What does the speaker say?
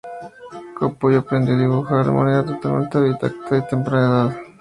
Capullo aprendió a dibujar de manera totalmente autodidacta a temprana edad.